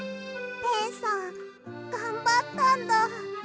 ペンさんがんばったんだ。